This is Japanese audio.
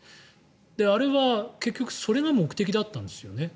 あれは結局それが目的だったんですよね。